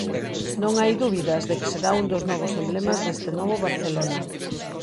Non hai dúbidas de que será un dos novos emblemas deste novo Barcelona.